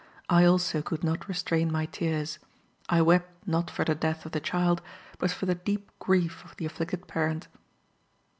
I also could not restrain my tears: I wept not for the death of the child, but for the deep grief of the afflicted parent.